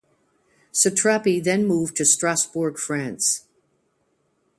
Satrapi then moved to Strasbourg, France.